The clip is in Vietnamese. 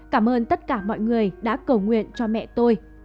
cảm ơn tất cả mọi người đã cầu nguyện cho mẹ tôi